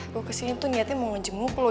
gue kesini tuh niatnya mau ngejemuk lo